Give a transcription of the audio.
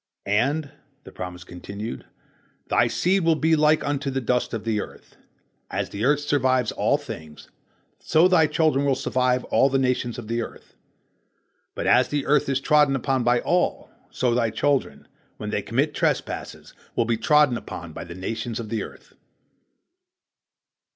"And," the promise continued, "thy seed will be like unto the dust of the earth. As the earth survives all things, so thy children will survive all the nations of the earth. But as the earth is trodden upon by all, so thy children, when they commit trespasses, will be trodden upon by the nations of the earth."